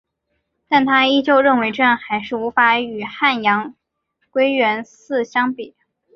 但她依旧认为这样还是无法与汉阳归元寺相比。